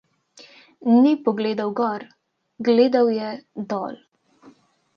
Ni pogledal gor, gledal je dol.